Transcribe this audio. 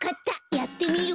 やってみる。